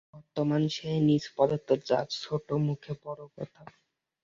বর্তমান সেই নীচ পদার্থ যার ছোটো মুখে বড়ো কথা।